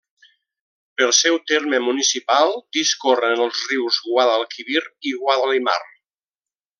Pel seu terme municipal discorren els rius Guadalquivir i Guadalimar.